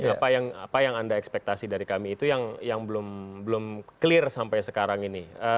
apa yang anda ekspektasi dari kami itu yang belum clear sampai sekarang ini